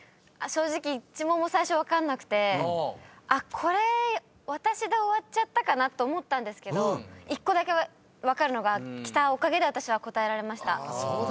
正直１問も最初分かんなくてこれ私で終わっちゃったかなと思ったんですけど１個だけ分かるのが来たおかげで私は答えられました。